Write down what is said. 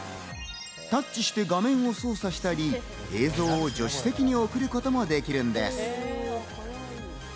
タッチして画面を操作したり、映像を助手席に送ることもできるんです。